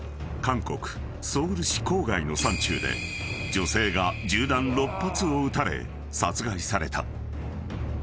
韓国ソウル市郊外の山中で女性が銃弾６発を撃たれ殺害された］